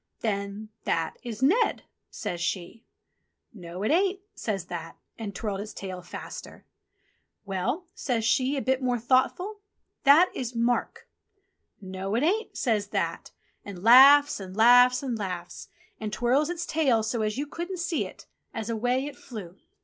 "Then That is Ned," says she. "No, it ain't," says That, and twirled its tail faster. "Well," says she a bit more thoughtful, "That is Mark." "No, it ain't," says That, and laughs and laughs and laughs, and twirls its tail so as you couldn't see it, as away it flew.